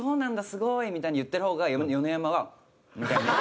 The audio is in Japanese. すごーい！」みたいに言ってる方が米山はみたいな。